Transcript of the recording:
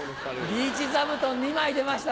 リーチ座布団２枚出ました。